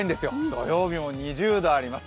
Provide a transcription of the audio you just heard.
土曜日も２０度あります。